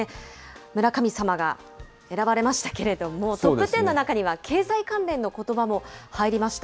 村神様が選ばれましたけれども、トップテンの中には経済関連のことばも入りました。